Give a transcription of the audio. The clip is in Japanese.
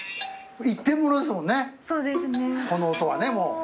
この音はねもう。